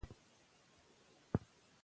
لمونځ د ژوند سکون دی.